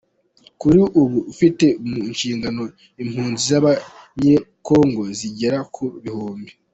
kuri ubu ifite mu nshingano impunzi z’Abanyekongo zigera ku bihumbi.